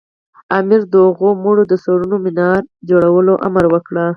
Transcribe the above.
امیر د هغوی د مړو د سرونو منار جوړولو امر وکړ.